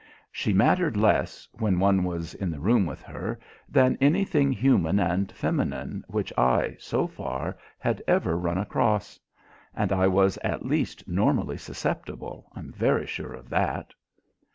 She mattered less, when one was in the room with her, than anything human and feminine which I, so far, had ever run across. And I was at least normally susceptible, I'm very sure of that.